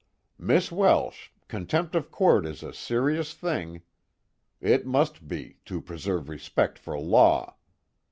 "Miss Welsh, contempt of court is a serious thing. It must be, to preserve respect for law.